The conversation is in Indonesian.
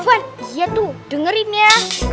ah fahim iya tuh dengerin ya